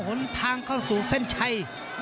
หนทางเข้าสู่เส้นชัย